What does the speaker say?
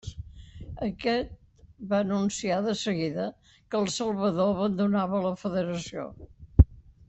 Aquest va anunciar de seguida que El Salvador abandonava la federació.